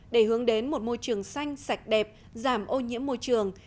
để hướng đến một môi trường xanh sạch đẹp giảm ô nhiễm môi trường